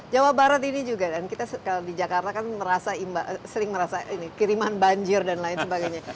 jawa barat ini juga dan kita kalau di jakarta kan sering merasa ini kiriman banjir dan lain sebagainya